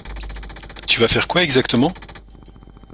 Tu vas faire quoi exactement?